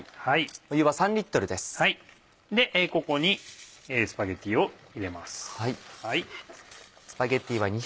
ここにスパゲティを入れます。